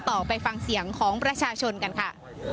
ต่อไปฟังเสียงของประชาชนกันค่ะ